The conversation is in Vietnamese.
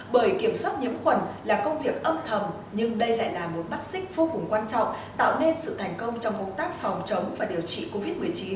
bởi kiểm soát nhiễm khuẩn là công việc âm thầm nhưng đây lại là một mắt xích vô cùng quan trọng tạo nên sự thành công trong công tác phòng chống và điều trị covid một mươi chín